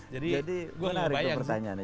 jadi gue nari tuh pertanyaannya